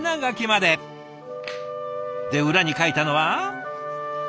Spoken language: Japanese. で裏に書いたのは？